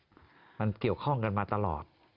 ทั้งนั้นเกี่ยวข้องกันมาตลอด